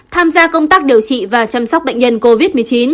tham gia công tác điều trị và chăm sóc bệnh nhân covid một mươi chín